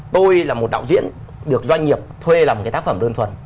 tôi là một đạo diễn được doanh nghiệp thuê làm cái tác phẩm đơn thuần